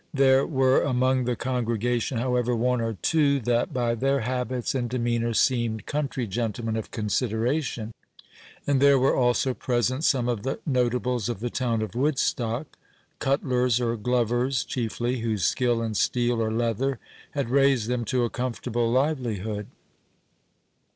There were among the congregation, however, one or two that, by their habits and demeanour, seemed country gentlemen of consideration, and there were also present some of the notables of the town of Woodstock, cutlers or glovers chiefly, whose skill in steel or leather had raised them to a comfortable livelihood.